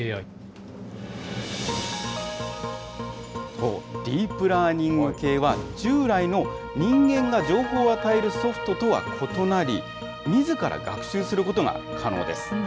そう、ディープランニング系は、従来の人間が情報を与えるソフトとは異なり、みずから学習することが可能です。